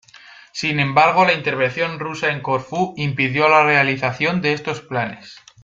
Sin embargo la intervención rusa en Corfú impidió la realización de estos planes.